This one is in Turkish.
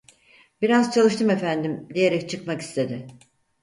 "Biraz çalıştım efendim!" diyerek çıkmak istedi.